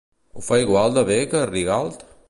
Ho fa igual de bé que Rigalt?